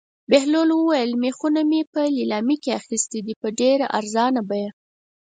بهلول وویل: مېخونه مو په لېلام کې اخیستي دي په ډېره ارزانه بیه.